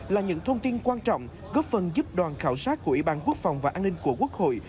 là những thông tin quan trọng góp phần giúp đoàn khảo sát của ủy ban quốc phòng và an ninh của quốc hội